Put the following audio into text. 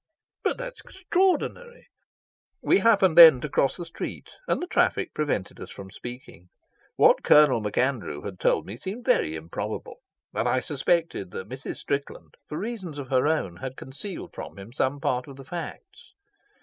"But that's extraordinary." We happened then to cross the street, and the traffic prevented us from speaking. What Colonel MacAndrew had told me seemed very improbable, and I suspected that Mrs. Strickland, for reasons of her own, had concealed from him some part of the facts.